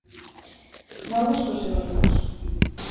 Novas dos eólicos.